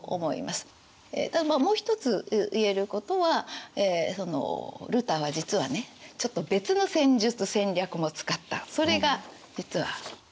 ただまあもう一つ言えることはルターは実はねちょっと別の戦術戦略も使ったそれが実はこれなの。